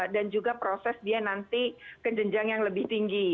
dan juga proses dia nanti kejenjang yang lebih tinggi